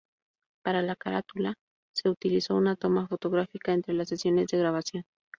Para la carátula se utilizó una toma fotográfica entre las sesiones de grabación.